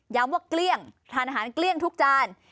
ว่าเกลี้ยงทานอาหารเกลี้ยงทุกจาน